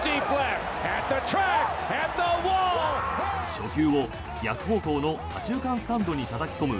初球を逆方向の左中間スタンドにたたき込む